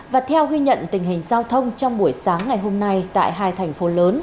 và theo ghi nhận tình hình giao thông trong buổi sáng ngày hôm nay tại hai thành phố lớn